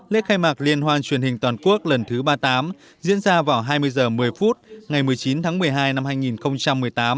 lễ khai mạc liên hoan truyền hình toàn quốc lần thứ ba mươi tám diễn ra vào hai mươi h một mươi phút ngày một mươi chín tháng một mươi hai năm hai nghìn một mươi tám